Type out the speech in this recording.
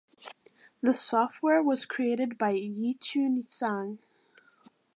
The software was created by Yichun Zhang.